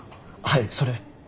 はいそれ。